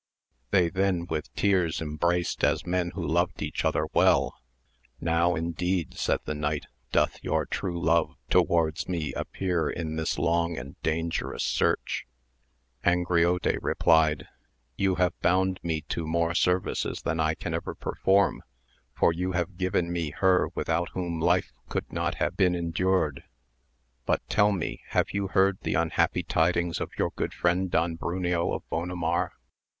They then with tears embraced as men who loved each other well. Now indeed, said the knight, doth your true love towards me appear in this long and danger 312 AMADIS OF GAUL. oos searck I Angriote replied, you have bound me to more services than I can ever perform, for you have given me her without whom life could not have been endured ; but tell me, have you heard the unhappy tidings of your good friend Don Bruneo of Bonamar?